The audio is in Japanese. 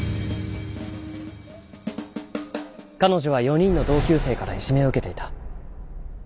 彼女は４人の同級生からいじめを受けていた。